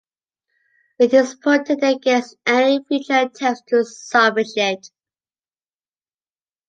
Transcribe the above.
It is protected against any future attempts to salvage it.